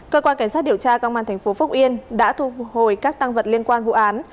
cơ quan cảnh sát điều tra công an tp phúc yên đã thu hồi các tăng vật liên quan vụ án